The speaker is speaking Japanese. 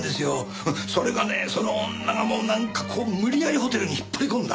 それがねその女がもうなんかこう無理やりホテルに引っ張り込んだ。